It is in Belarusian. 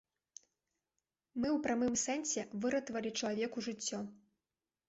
Мы ў прамым сэнсе выратавалі чалавеку жыццё.